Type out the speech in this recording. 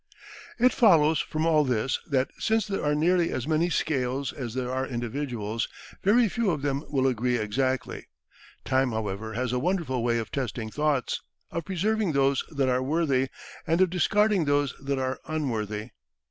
It follows from all this that, since there are nearly as many scales as there are individuals, very few of them will agree exactly. Time, however, has a wonderful way of testing thoughts, of preserving those that are worthy, and of discarding those that are unworthy.